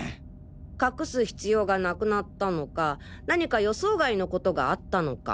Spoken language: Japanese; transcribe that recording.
隠す必要がなくなったのか何か予想外の事があったのか。